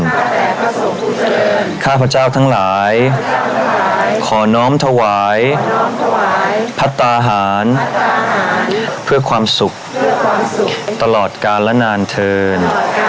ข้าแต่พระส่งผู้เจริญข้าพระเจ้าทั้งหลายขอน้อมถวายพระตาหารเพื่อความสุขตลอดกาลนานเทิญ